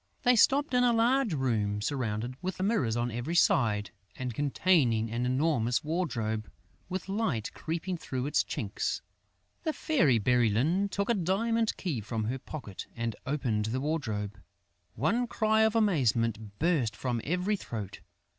They stopped in a large room surrounded with mirrors on every side and containing an enormous wardrobe with light creeping through its chinks. The Fairy Bérylune took a diamond key from her pocket and opened the wardrobe. One cry of amazement burst from every throat.